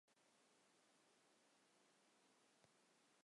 এগুলোর বেশিরভাগই প্রাচীন আমলের।